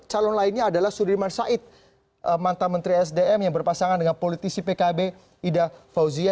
calon lainnya adalah sudirman said mantan menteri sdm yang berpasangan dengan politisi pkb ida fauzia